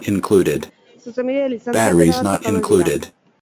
Zuzenbide Lizentziatura batzuk hauek dira.